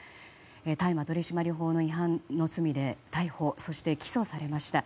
大麻取締法の違反の罪で逮捕・起訴されました。